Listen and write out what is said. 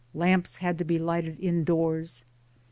Lamps had to be lighted indoors.